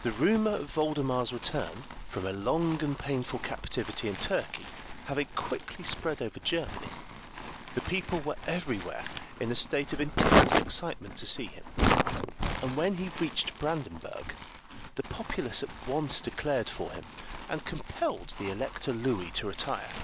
The rumour of Voldemar's return from a long and painful captivity in Turkey having quickly spread over Germany, the people were everywhere in a state of intense excitement to see him; and when he reached Brandenburg, the populace at once declared for him, and compelled the Elector Louis to retire.